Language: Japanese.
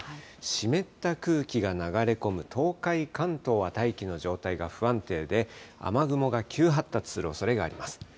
湿った空気が流れ込む東海、関東は大気の状態が不安定で、雨雲が急発達するおそれがあります。